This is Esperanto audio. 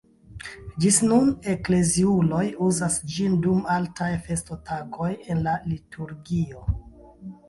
Ĝis nun ekleziuloj uzas ĝin dum altaj festotagoj en la liturgio.